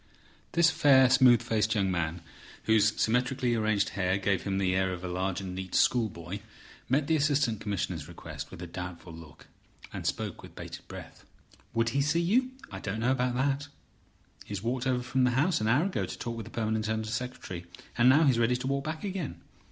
This fair, smooth faced young man, whose symmetrically arranged hair gave him the air of a large and neat schoolboy, met the Assistant Commissioner's request with a doubtful look, and spoke with bated breath. "Would he see you? I don't know about that. He has walked over from the House an hour ago to talk with the permanent Under Secretary, and now he's ready to walk back again.